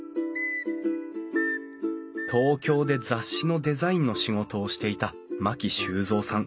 東京で雑誌のデザインの仕事をしていた牧修三さん知子さん夫妻。